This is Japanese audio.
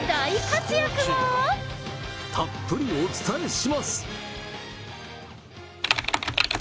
たっぷりお伝えします。